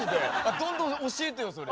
どんどん教えてよそれ。